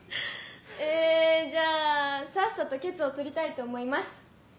えじゃあさっさと決を採りたいと思います。